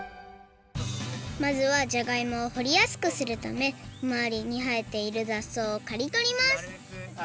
まずはじゃがいもをほりやすくするためまわりにはえている雑草をかりとります！